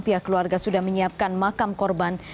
pihak keluarga sudah menyiapkan makam korban